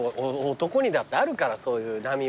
男にだってあるからそういう波は。